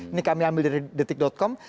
ini kami ambil dari detik com